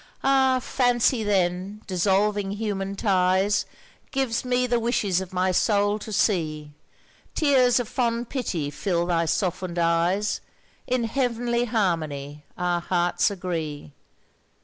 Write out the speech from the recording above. Ah! Fancy then, dissolving human ties, Gives me the wishes of my soul to see; Tears of fond pity fill thy softened eyes; In heavenly harmony our hearts agree.